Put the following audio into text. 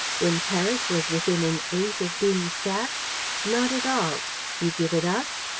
When Paris was within an ace of being sacked? Not at all. You give it up?